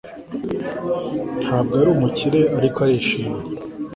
Ntabwo ari umukire ariko arishimye